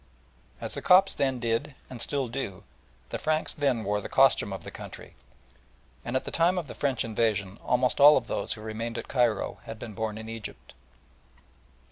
As the Copts then did and still do, the Franks then wore the costume of the country, and at the time of the French invasion, almost all of those who remained at Cairo had been born in Egypt.